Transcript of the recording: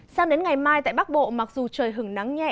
sang đến ngày mai tại bắc bộ mặc dù trời hứng nắng nhẹ